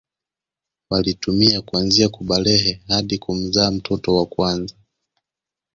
Walitumia kuanzia kubalehe hadi kumzaa mtoto wa kwanza